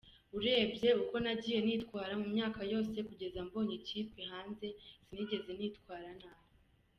Urebye uko nagiye nitwara mu myaka yose kugeza mbonye ikipe hanze, sinigeze nitwara nabi.